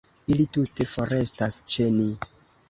Ili tute forestas ĉe ni.